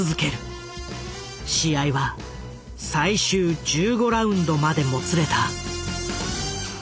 試合は最終１５ラウンドまでもつれた。